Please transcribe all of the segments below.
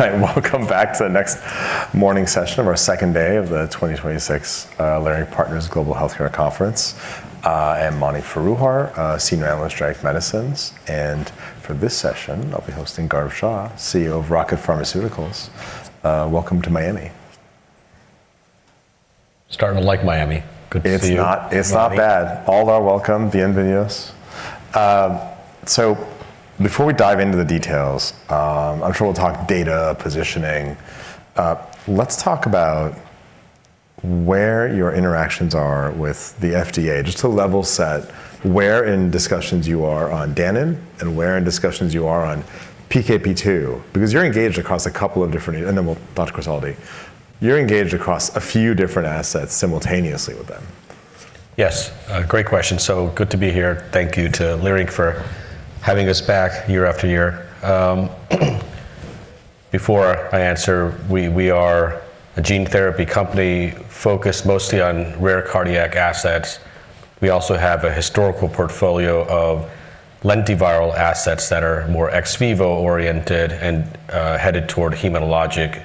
All right. Welcome back to the next morning session of our second day of the 2026 Leerink Partners Global Healthcare Conference. I'm Mani Faroohar, senior analyst at Genetic Medicines, and for this session, I'll be hosting Gaurav Shah, CEO of Rocket Pharmaceuticals. Welcome to Miami. Starting to like Miami. Good to see you. It's not bad. All are welcome. Bienvenidos. Before we dive into the details, I'm sure we'll talk data, positioning. Let's talk about where your interactions are with the FDA, just to level set where in discussions you are on Danon and where in discussions you are on PKP2, because you're engaged across a couple of different. Then we'll talk KRESLADI. You're engaged across a few different assets simultaneously with them. Yes. Great question. Good to be here. Thank you to Leerink for having us back year after year. Before I answer, we are a gene therapy company focused mostly on rare cardiac assets. We also have a historical portfolio of lentiviral assets that are more ex vivo-oriented and headed toward hematologic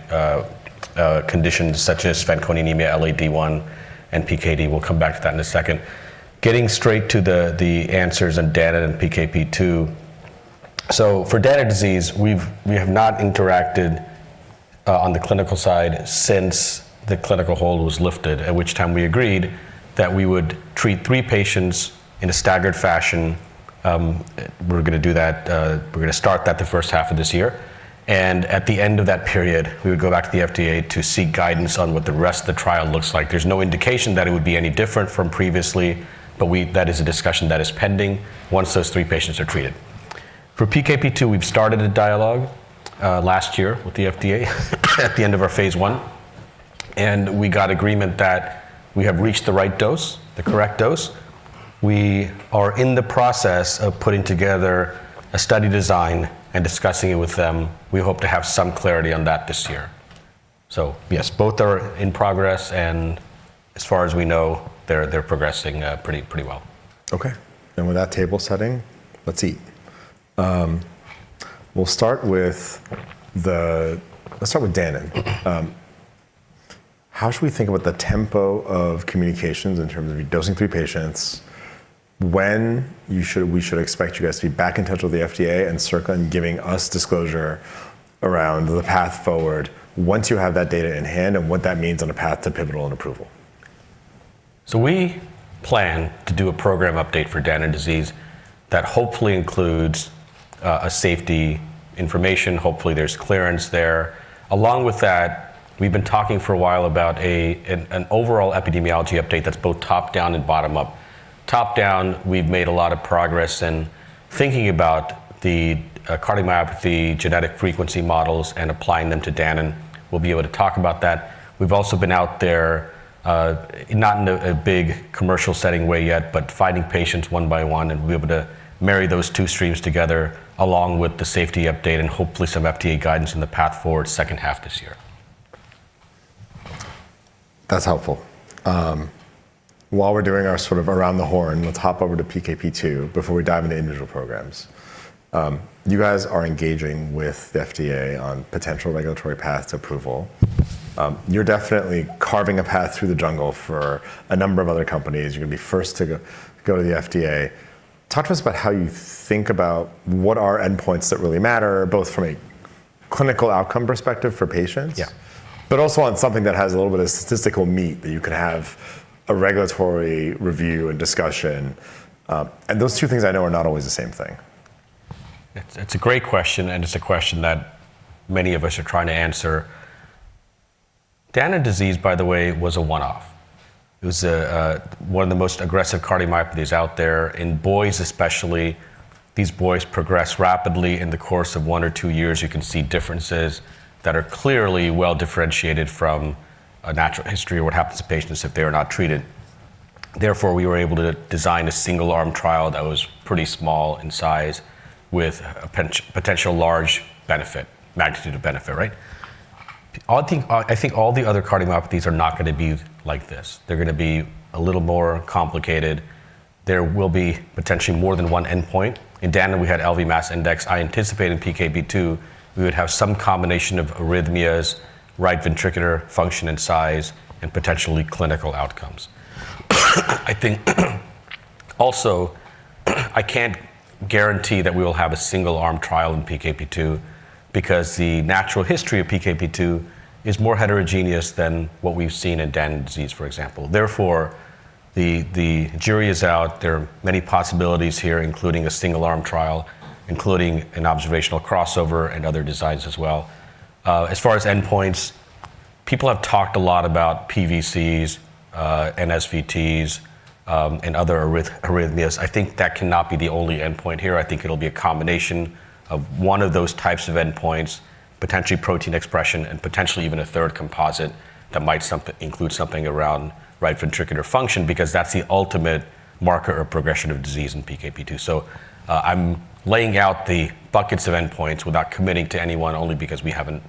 conditions such as Fanconi anemia, LAD-I, and PKD. We'll come back to that in a second. Getting straight to the answers on Danon and PKP2. For Danon disease, we have not interacted on the clinical side since the clinical hold was lifted, at which time we agreed that we would treat three patients in a staggered fashion. We're gonna start that in the first half of this year, and at the end of that period, we would go back to the FDA to seek guidance on what the rest of the trial looks like. There's no indication that it would be any different from previously, but that is a discussion that is pending once those three patients are treated. For PKP2, we've started a dialogue last year with the FDA at the end of our phase I, and we got agreement that we have reached the right dose, the correct dose. We are in the process of putting together a study design and discussing it with them. We hope to have some clarity on that this year. Yes, both are in progress, and as far as we know, they're progressing pretty well. With that table setting, let's eat. We'll start with Danon. How should we think about the tempo of communications in terms of you dosing three patients, when we should expect you guys to be back in touch with the FDA and circling, giving us disclosure around the path forward once you have that data in hand, and what that means on a path to pivotal and approval? We plan to do a program update for Danon disease that hopefully includes a safety information. Hopefully, there's clearance there. Along with that, we've been talking for a while about an overall epidemiology update that's both top-down and bottom-up. Top-down, we've made a lot of progress in thinking about the cardiomyopathy genetic frequency models and applying them to Danon. We'll be able to talk about that. We've also been out there, not in a big commercial setting way yet, but finding patients one by one and we'll be able to marry those two streams together along with the safety update and hopefully some FDA guidance on the path forward second half this year. That's helpful. While we're doing our sort of around the horn, let's hop over to PKP2 before we dive into individual programs. You guys are engaging with the FDA on potential regulatory path to approval. You're definitely carving a path through the jungle for a number of other companies. You're gonna be first to go to the FDA. Talk to us about how you think about what are endpoints that really matter, both from a clinical outcome perspective for patients. Yeah Also on something that has a little bit of statistical meat that you could have a regulatory review and discussion. Those two things I know are not always the same thing. It's a great question, and it's a question that many of us are trying to answer. Danon disease, by the way, was a one-off. It was one of the most aggressive cardiomyopathies out there in boys especially. These boys progress rapidly in the course of one or two years. You can see differences that are clearly well-differentiated from a natural history or what happens to patients if they are not treated. Therefore, we were able to design a single-arm trial that was pretty small in size with a potential large benefit, magnitude of benefit, right? I think all the other cardiomyopathies are not gonna be like this. They're gonna be a little more complicated. There will be potentially more than one endpoint. In Danon, we had LV mass index. I anticipate in PKP2, we would have some combination of arrhythmias, right ventricular function and size, and potentially clinical outcomes. I think also, I can't guarantee that we will have a single-arm trial in PKP2 because the natural history of PKP2 is more heterogeneous than what we've seen in Danon disease, for example. Therefore, the jury is out. There are many possibilities here, including a single-arm trial, including an observational crossover and other designs as well. As far as endpoints, people have talked a lot about PVCs, NSVTs, and other arrhythmias. I think that cannot be the only endpoint here. I think it'll be a combination of one of those types of endpoints, potentially protein expression and potentially even a third composite that might include something around right ventricular function, because that's the ultimate marker or progression of disease in PKP2. I'm laying out the buckets of endpoints without committing to any one, only because we haven't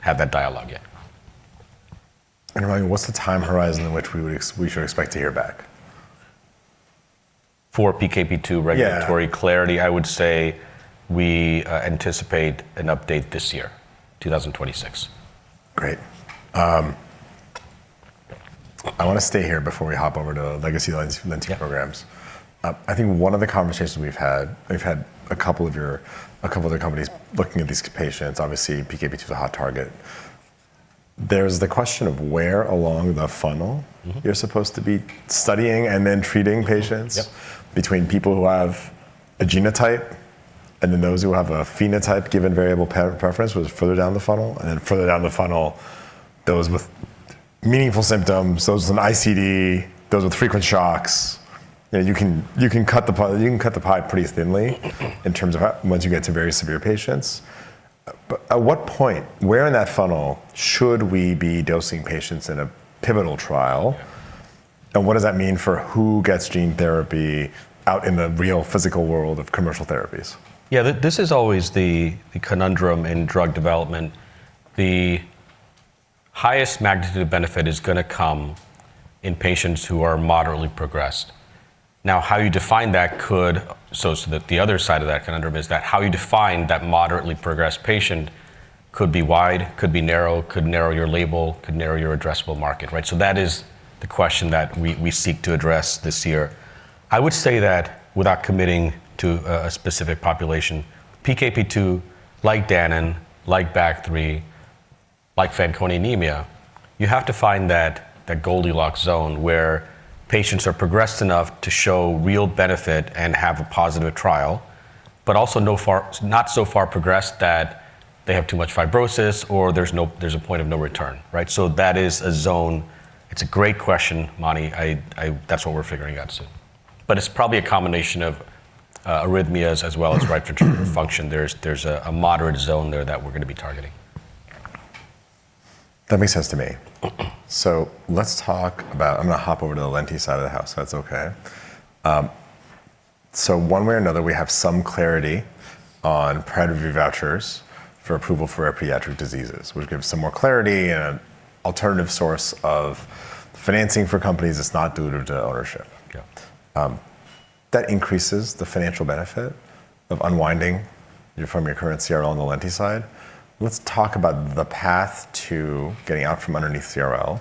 had that dialogue yet. Like, what's the time horizon in which we should expect to hear back? For PKP2 regulatory clarity. Yeah I would say we anticipate an update this year, 2026. Great. I wanna stay here before we hop over to lentiviral programs. Yeah. I think one of the conversations we've had, we've had a couple other companies looking at these patients, obviously PKP2 is a hot target. There's the question of where along the funnel. Mm-hmm You're supposed to be studying and then treating patients. Yep between people who have a genotype and then those who have a phenotype given variable penetrance was further down the funnel, and then further down the funnel, those with meaningful symptoms, those with an ICD, those with frequent shocks. You know, you can cut the pie pretty thinly in terms of once you get to very severe patients. At what point, where in that funnel should we be dosing patients in a pivotal trial? Yeah. What does that mean for who gets gene therapy out in the real physical world of commercial therapies? Yeah. This is always the conundrum in drug development. The highest magnitude of benefit is gonna come in patients who are moderately progressed. That the other side of that conundrum is that how you define that moderately progressed patient could be wide, could be narrow, could narrow your label, could narrow your addressable market, right? That is the question that we seek to address this year. I would say that without committing to a specific population, PKP2, like Danon, like BAG3, like Fanconi anemia, you have to find that Goldilocks zone where patients are progressed enough to show real benefit and have a positive trial, but also not so far progressed that they have too much fibrosis or there's a point of no return, right? That is a zone. It's a great question, Monty. That's what we're figuring out. It's probably a combination of arrhythmias as well as right ventricular function. There's a moderate zone there that we're gonna be targeting. That makes sense to me. Let's talk about. I'm gonna hop over to the Lenti side of the house, if that's okay. One way or another, we have some clarity on Priority Review Vouchers for approval for our pediatric diseases, which gives some more clarity and an alternative source of financing for companies that's not dilutive to ownership. Yeah. That increases the financial benefit of unwinding from your current CRL on the Lenti side. Let's talk about the path to getting out from underneath CRL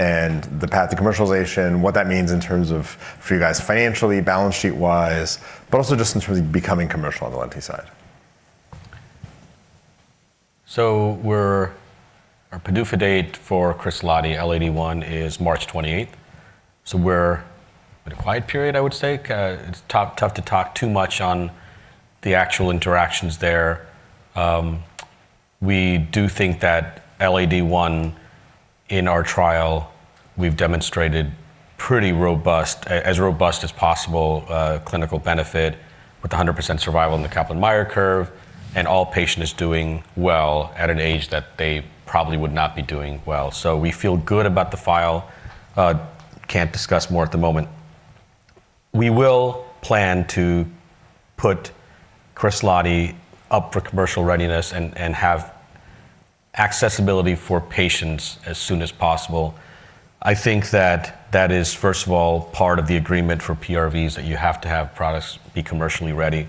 and the path to commercialization, what that means in terms of for you guys financially, balance sheet-wise, but also just in terms of becoming commercial on the Lenti side. Our PDUFA date for KRESLADI, LAD-I, is March 28th. We're in a quiet period, I would say. It's tough to talk too much on the actual interactions there. We do think that LAD-I in our trial, we've demonstrated pretty robust, as robust as possible, clinical benefit with 100% survival in the Kaplan-Meier curve, and all patients doing well at an age that they probably would not be doing well. We feel good about the file. Can't discuss more at the moment. We will plan to put KRESLADI up for commercial readiness and have accessibility for patients as soon as possible. I think that is, first of all, part of the agreement for PRVs, that you have to have products be commercially ready.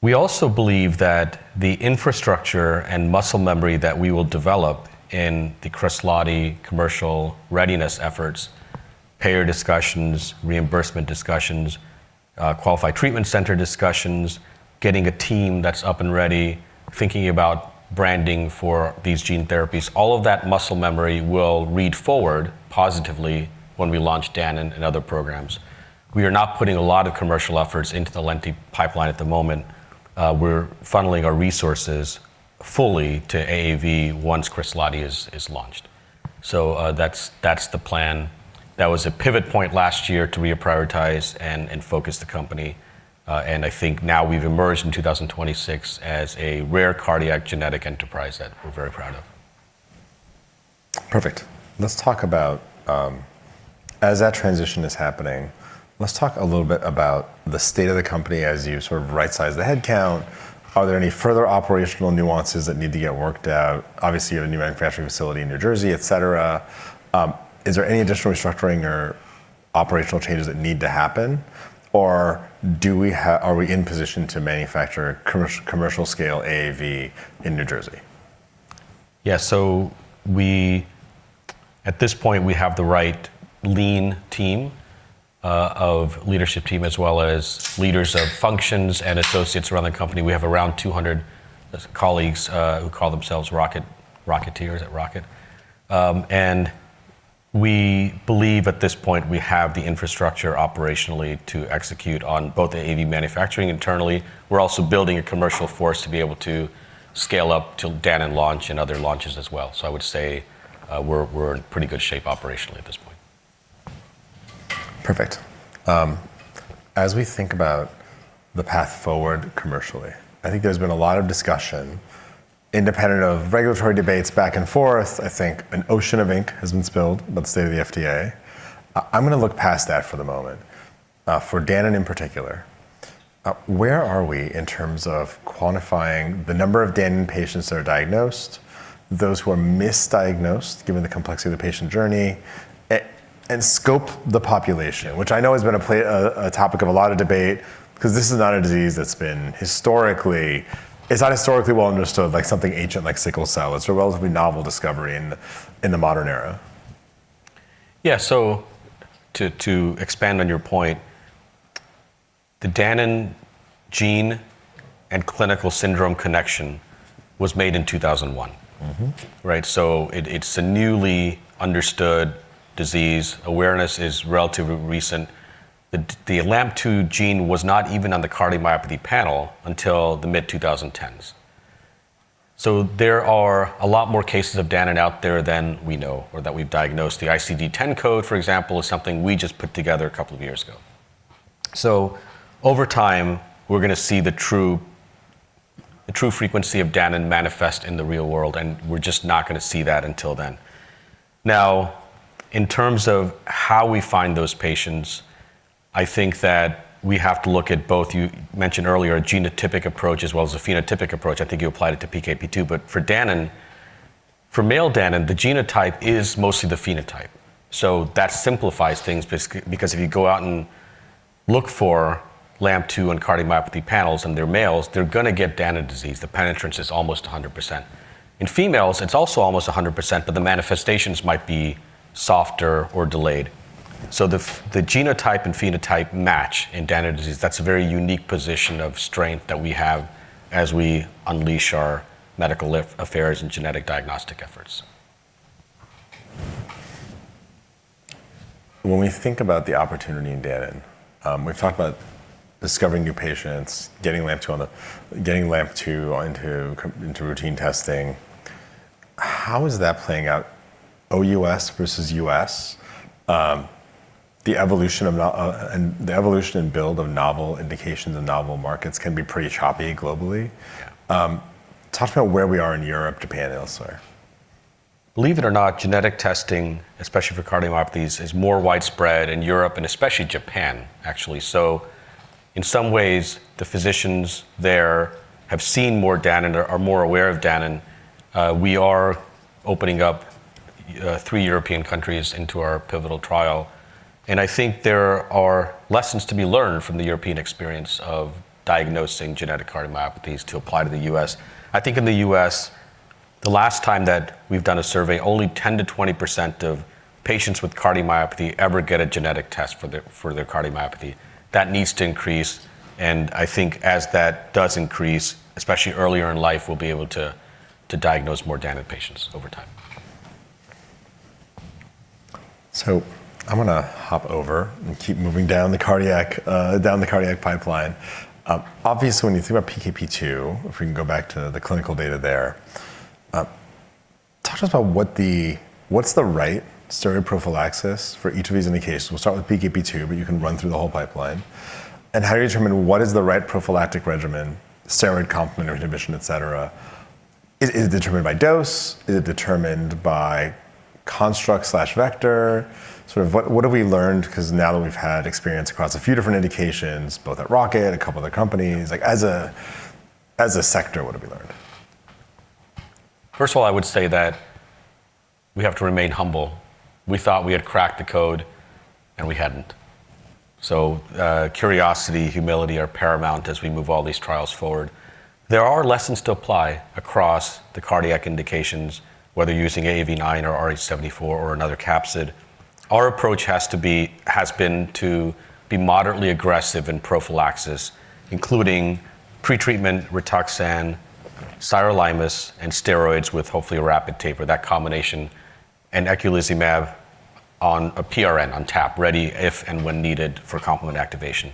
We also believe that the infrastructure and muscle memory that we will develop in the KRESLADI commercial readiness efforts, payer discussions, reimbursement discussions, qualified treatment center discussions, getting a team that's up and ready, thinking about branding for these gene therapies, all of that muscle memory will carry forward positively when we launch Danon and other programs. We are not putting a lot of commercial efforts into the Lenti pipeline at the moment. We're funneling our resources fully to AAV once KRESLADI is launched. That's the plan. That was a pivot point last year to reprioritize and focus the company, and I think now we've emerged in 2026 as a rare cardiac genetic enterprise that we're very proud of. Perfect. Let's talk about as that transition is happening, let's talk a little bit about the state of the company as you sort of right-size the headcount. Are there any further operational nuances that need to get worked out? Obviously, you have a new manufacturing facility in New Jersey, et cetera. Is there any additional restructuring or operational changes that need to happen? Or are we in position to manufacture commercial scale AAV in New Jersey? Yeah. At this point, we have the right lean team of leadership team, as well as leaders of functions and associates around the company. We have around 200 colleagues who call themselves Rocketeers. Is it Rocket? And we believe at this point we have the infrastructure operationally to execute on both the AAV manufacturing internally. We're also building a commercial force to be able to scale up till Danon launch and other launches as well. I would say, we're in pretty good shape operationally at this point. Perfect. As we think about the path forward commercially, I think there's been a lot of discussion independent of regulatory debates back and forth. I think an ocean of ink has been spilled about the state of the FDA. I'm gonna look past that for the moment. For Danon in particular, where are we in terms of quantifying the number of Danon patients that are diagnosed, those who are misdiagnosed given the complexity of the patient journey, and scope the population, which I know has been a topic of a lot of debate because this is not a disease that's been historically well understood like something ancient like sickle cell. It's a relatively novel discovery in the modern era. Yeah. To expand on your point, the Danon gene and clinical syndrome connection was made in 2001. Mm-hmm. Right? It's a newly understood disease. Awareness is relatively recent. The LAMP2 gene was not even on the cardiomyopathy panel until the mid-2010s. There are a lot more cases of Danon out there than we know or that we've diagnosed. The ICD-10 code, for example, is something we just put together a couple of years ago. Over time, we're gonna see the true frequency of Danon manifest in the real world, and we're just not gonna see that until then. Now, in terms of how we find those patients, I think that we have to look at both, you mentioned earlier, a genotypic approach as well as a phenotypic approach. I think you applied it to PKP2. For Danon, for male Danon, the genotype is mostly the phenotype. That simplifies things because if you go out and look for LAMP2 and cardiomyopathy panels and they're males, they're gonna get Danon disease. The penetrance is almost 100%. In females, it's also almost 100%, but the manifestations might be softer or delayed. The genotype and phenotype match in Danon disease. That's a very unique position of strength that we have as we unleash our medical affairs and genetic diagnostic efforts. When we think about the opportunity in Danon, we've talked about discovering new patients, getting LAMP2 into routine testing. How is that playing out OUS versus US? The evolution and build of novel indications and novel markets can be pretty choppy globally. Talk about where we are in Europe, Japan, and elsewhere. Believe it or not, genetic testing, especially for cardiomyopathies, is more widespread in Europe and especially Japan, actually. In some ways, the physicians there have seen more Danon and are more aware of Danon. We are opening up three European countries into our pivotal trial, and I think there are lessons to be learned from the European experience of diagnosing genetic cardiomyopathies to apply to the U.S. I think in the U.S., the last time that we've done a survey, only 10%-20% of patients with cardiomyopathy ever get a genetic test for their cardiomyopathy. That needs to increase, and I think as that does increase, especially earlier in life, we'll be able to diagnose more Danon patients over time. I'm gonna hop over and keep moving down the cardiac pipeline. Obviously, when you think about PKP2, if we can go back to the clinical data there, talk to us about what's the right steroid prophylaxis for each of these indications. We'll start with PKP2, but you can run through the whole pipeline. How do you determine what is the right prophylactic regimen, steroid complement or inhibition, et cetera? Is it determined by dose? Is it determined by construct/vector? Sort of what have we learned? Because now that we've had experience across a few different indications, both at Rocket and a couple other companies, like, as a sector, what have we learned? First of all, I would say that we have to remain humble. We thought we had cracked the code, and we hadn't. Curiosity, humility are paramount as we move all these trials forward. There are lessons to apply across the cardiac indications, whether using AAV9 or AAVrh74 or another capsid. Our approach has been to be moderately aggressive in prophylaxis, including pretreatment Rituxan, sirolimus, and steroids with hopefully a rapid taper, that combination, and eculizumab on a PRN, on tap, ready if and when needed for complement activation.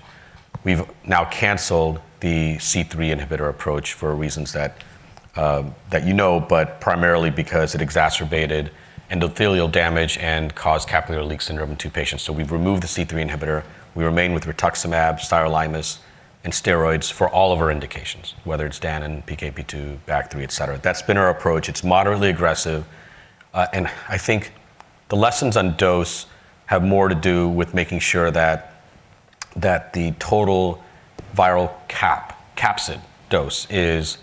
We've now canceled the C3 inhibitor approach for reasons that you know, but primarily because it exacerbated endothelial damage and caused capillary leak syndrome in two patients. We've removed the C3 inhibitor. We remain with rituximab, sirolimus, and steroids for all of our indications, whether it's Danon, PKP2, BAG3, et cetera. That's been our approach. It's moderately aggressive, and I think the lessons on dose have more to do with making sure that the total viral capsid dose is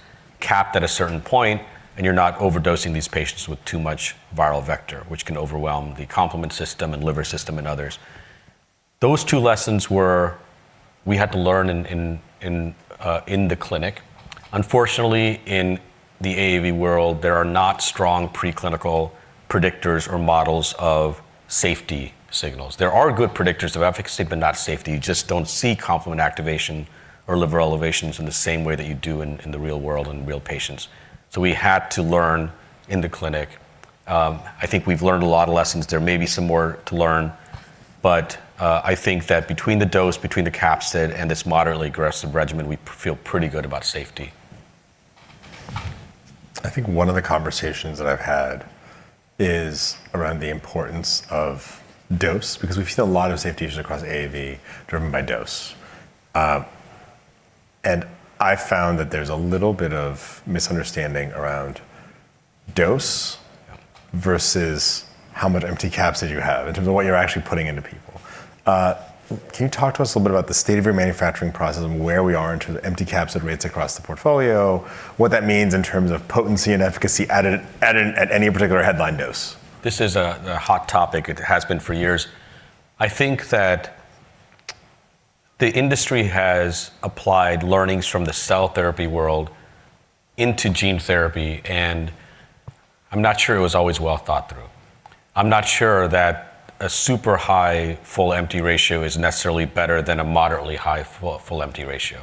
capped at a certain point, and you're not overdosing these patients with too much viral vector, which can overwhelm the complement system and liver system and others. Those two lessons we had to learn in the clinic. Unfortunately, in the AAV world, there are not strong preclinical predictors or models of safety signals. There are good predictors of efficacy, but not safety. You just don't see complement activation or liver elevations in the same way that you do in the real world, in real patients. We had to learn in the clinic. I think we've learned a lot of lessons. There may be some more to learn, but I think that between the dose, the capsid, and this moderately aggressive regimen, we feel pretty good about safety. I think one of the conversations that I've had is around the importance of dose, because we've seen a lot of safety issues across AAV driven by dose. I found that there's a little bit of misunderstanding around dose versus how much empty capsid you have in terms of what you're actually putting into people. Can you talk to us a little bit about the state of your manufacturing process and where we are in terms of empty capsid rates across the portfolio, what that means in terms of potency and efficacy at any particular headline dose? This is a hot topic. It has been for years. I think that the industry has applied learnings from the cell therapy world into gene therapy, and I'm not sure it was always well thought through. I'm not sure that a super high full empty ratio is necessarily better than a moderately high full empty ratio.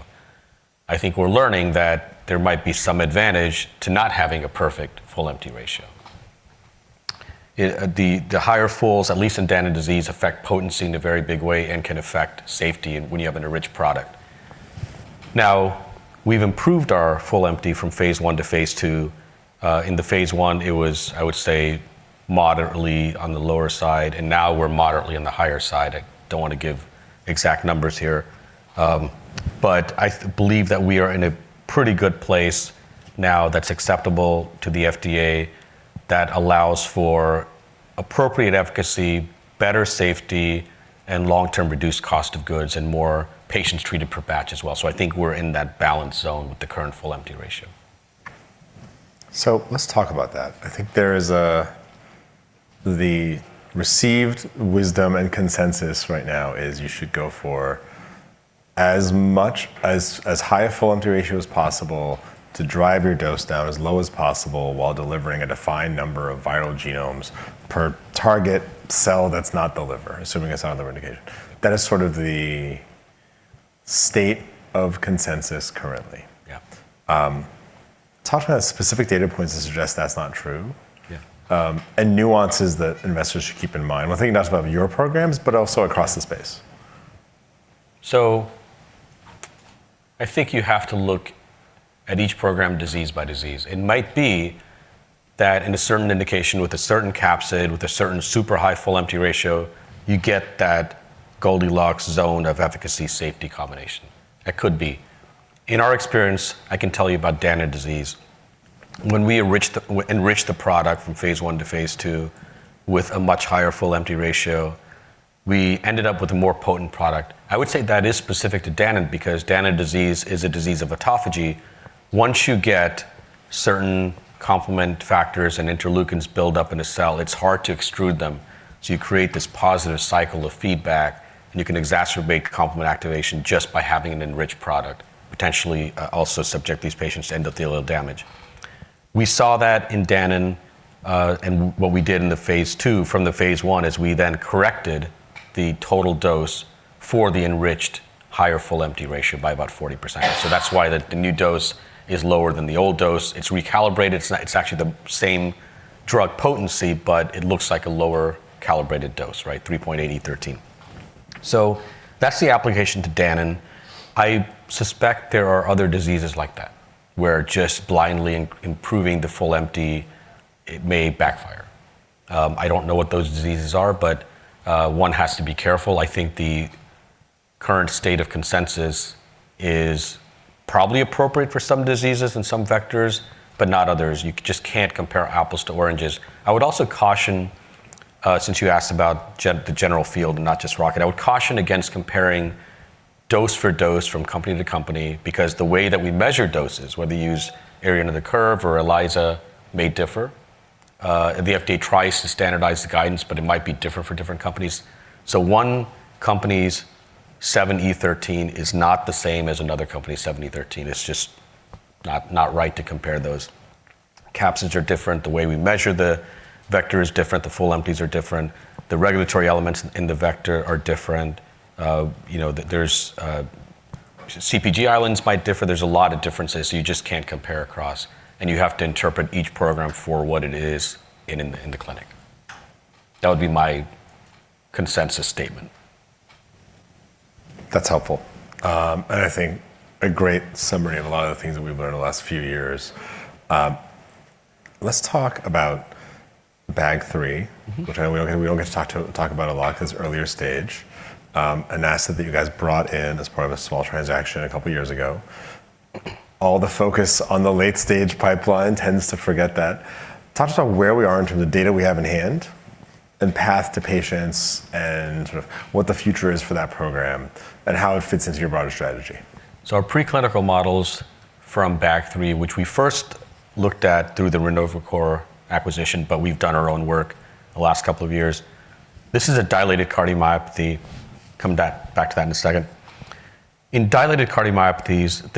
I think we're learning that there might be some advantage to not having a perfect full empty ratio. The higher fulls, at least in Danon Disease, affect potency in a very big way and can affect safety and when you have an enriched product. Now, we've improved our full empty from phase I to phase II. In the phase I, it was, I would say, moderately on the lower side, and now we're moderately on the higher side. I don't want to give exact numbers here. I believe that we are in a pretty good place now that's acceptable to the FDA that allows for appropriate efficacy, better safety, and long-term reduced cost of goods and more patients treated per batch as well. I think we're in that balance zone with the current full empty ratio. Let's talk about that. I think the received wisdom and consensus right now is you should go for as high a full empty ratio as possible to drive your dose down as low as possible while delivering a defined number of viral genomes per target cell that's not the liver, assuming it's not on the replication. That is sort of the state of consensus currently. Yeah. Talk to specific data points that suggest that's not true. Yeah. Nuances that investors should keep in mind. We're thinking not just about your programs, but also across the space. I think you have to look at each program disease by disease. It might be that in a certain indication with a certain capsid, with a certain super high full empty ratio, you get that Goldilocks zone of efficacy safety combination. It could be. In our experience, I can tell you about Danon Disease. When we enriched the product from phase I to phase II with a much higher full empty ratio, we ended up with a more potent product. I would say that is specific to Danon because Danon Disease is a disease of autophagy. Once you get certain complement factors and interleukins build up in a cell, it's hard to extrude them, so you create this positive cycle of feedback, and you can exacerbate complement activation just by having an enriched product, potentially, also subject these patients to endothelial damage. We saw that in Danon, and what we did in the phase II from the phase I is we then corrected the total dose for the enriched higher full/empty ratio by about 40%. That's why the new dose is lower than the old dose. It's recalibrated. It's not. It's actually the same drug potency, but it looks like a lower calibrated dose, right? 3.8E13. That's the application to Danon. I suspect there are other diseases like that, where just blindly improving the full/empty, it may backfire. I don't know what those diseases are, but one has to be careful. I think the current state of consensus is probably appropriate for some diseases and some vectors, but not others. You just can't compare apples to oranges. I would also caution, since you asked about the general field and not just Rocket, I would caution against comparing dose for dose from company to company because the way that we measure doses, whether you use area under the curve or ELISA may differ. The FDA tries to standardize the guidance, but it might be different for different companies. One company's 7E13 is not the same as another company's 7E13. It's just not right to compare those. Capsids are different. The way we measure the vector is different. The fulls and empties are different. The regulatory elements in the vector are different. You know, there's CpG islands might differ. There's a lot of differences, so you just can't compare across, and you have to interpret each program for what it is in the clinic. That would be my consensus statement. That's helpful. I think a great summary of a lot of the things that we've learned in the last few years. Let's talk about BAG3. Mm-hmm which we don't get to talk about a lot 'cause it's earlier stage, an asset that you guys brought in as part of a small transaction a couple years ago. All the focus on the late-stage pipeline tends to forget that. Talk to us about where we are in terms of data we have in hand and path to patients and sort of what the future is for that program and how it fits into your broader strategy. Our preclinical models from BAG3, which we first looked at through the RenovoCor acquisition, but we've done our own work the last couple of years. This is a dilated cardiomyopathy. Come back to that in a second. In dilated cardiomyopathies,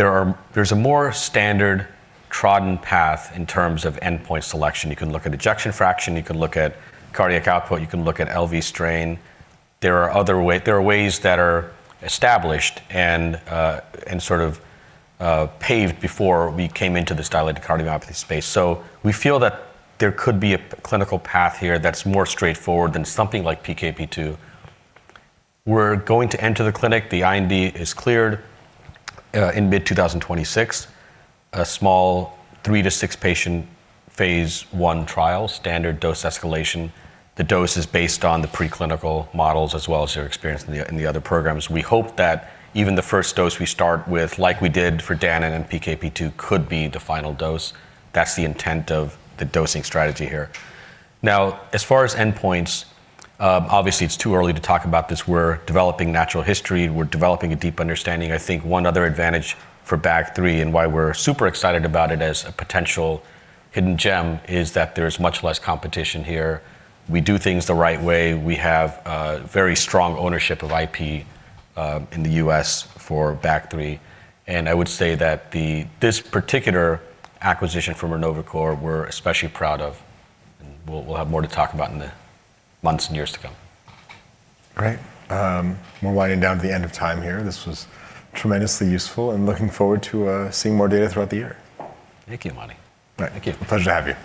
there's a more standard trodden path in terms of endpoint selection. You can look at ejection fraction. You can look at cardiac output. You can look at LV strain. There are ways that are established and sort of paved before we came into this dilated cardiomyopathy space. We feel that there could be a clinical path here that's more straightforward than something like PKP2. We're going to enter the clinic. The IND is cleared in mid-2026. A small three-six patient phase I trial, standard dose escalation. The dose is based on the preclinical models as well as your experience in the other programs. We hope that even the first dose we start with, like we did for Danon and PKP2, could be the final dose. That's the intent of the dosing strategy here. Now, as far as endpoints, obviously it's too early to talk about this. We're developing natural history. We're developing a deep understanding. I think one other advantage for BAG3 and why we're super excited about it as a potential hidden gem is that there's much less competition here. We do things the right way. We have very strong ownership of IP in the U.S. for BAG3, and I would say that this particular acquisition from RenovoCor we're especially proud of, and we'll have more to talk about in the months and years to come. Great. We're winding down to the end of time here. This was tremendously useful and looking forward to seeing more data throughout the year. Thank you, Monty. All right. Thank you. Pleasure to have you.